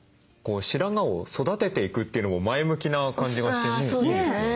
白髪を育てていくというのも前向きな感じがしてねいいですよね。